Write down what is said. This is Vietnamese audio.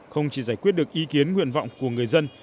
không chỉ giải quyết được ý kiến nguyện vọng của người dân